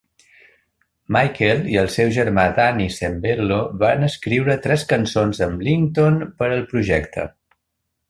Michael i el seu germà Danny Sembello van escriure tres cançons amb Lington per al projecte.